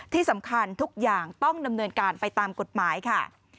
ที่สำคัญทุกอย่างต้องดำเนินการไปตามกฎหมายค่ะ